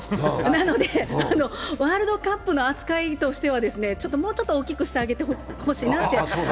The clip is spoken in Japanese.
なので、ワールドカップの扱いとしては、もうちょっと大きくしてあげてほしいなって。